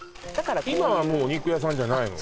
今はもうお肉屋さんじゃないの？